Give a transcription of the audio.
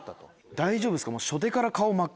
大丈夫ですか？